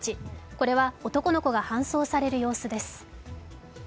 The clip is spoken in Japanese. これは男の子が搬送される様子です。